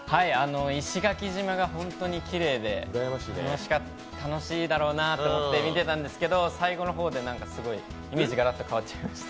石垣島が本当にきれいで楽しいだろうなって思って見てたんですけど最後の方ですごいイメージ、ガラッと変わっちゃいました。